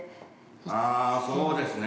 ああそうですね。